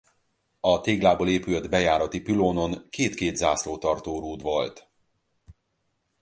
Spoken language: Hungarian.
A téglából épült bejárati pülónon két-két zászlótartó rúd volt.